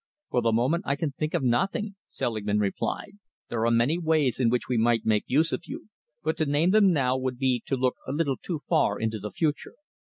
"For the moment, I can think of nothing," Selingman replied. "There are many ways in which we might make use of you, but to name them now would be to look a little too far into the future."